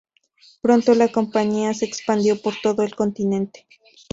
Pronto, la compañía se expandió por todo el continente.